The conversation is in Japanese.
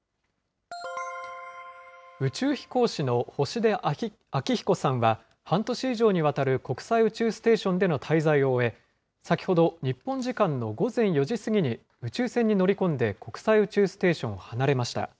宇宙飛行士の星出彰彦さんは、半年以上にわたる国際宇宙ステーションでの滞在を終え、先ほど日本時間の午前４時過ぎに宇宙船に乗り込んで、国際宇宙ステーションを離れました。